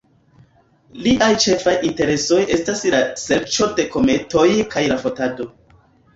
Liaj ĉefaj interesoj estas la serĉo de kometoj kaj la fotado.